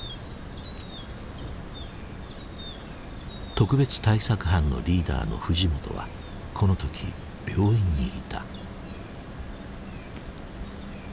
特別対策班のリーダーの藤本はこの時病院にいた。